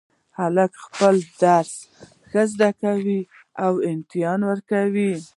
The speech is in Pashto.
هلک خپل درس ښه زده کوي او امتحان ورکوي